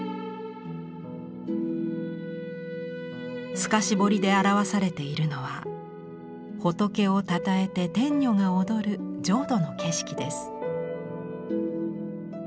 透かし彫りで表されているのは仏をたたえて天女が踊る浄土の景色です。